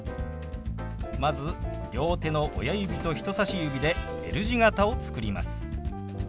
まず両手の親指と人さし指でＬ字形を作ります。